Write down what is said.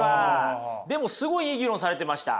でもすごいいい議論されてました。